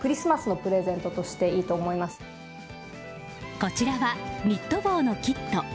こちらはニット帽のキット。